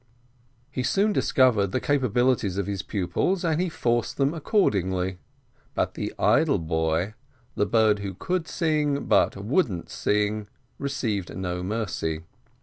He soon discovered the capabilities of his pupils, and he forced them accordingly; but the idle boy, the bird who "could sing and wouldn't sing," received no mercy.